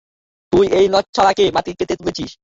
তুই এই নচ্ছাড়কে মাটি কেটে তুলেছিস!